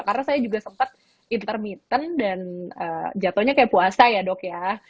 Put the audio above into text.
karena saya juga sempat intermittent dan jatohnya kayak puasa ya dok ya